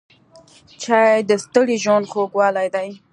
چای د ستړي ژوند خوږوالی دی.